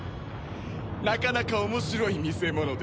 なかなか面白い見せ物でした。